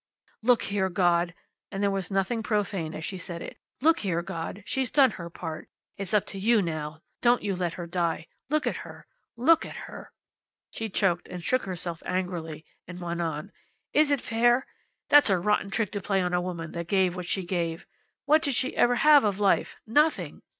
"Look here, God!" and there was nothing profane as she said it. "Look here, God! She's done her part. It's up to You now. Don't You let her die! Look at her. Look at her!" She choked and shook herself angrily, and went on. "Is that fair? That's a rotten trick to play on a woman that gave what she gave! What did she ever have of life? Nothing!